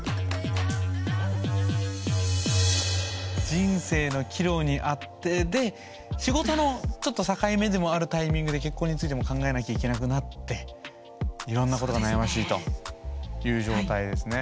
人生の岐路にあってで仕事のちょっと境目でもあるタイミングで結婚についても考えなきゃいけなくなっていろんなことが悩ましいという状態ですね。